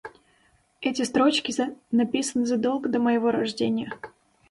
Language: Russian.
Эти строчки написаны задолго до моего рождения.